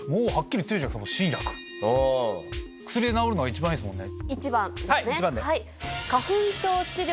薬で治るのは一番いいですもんね。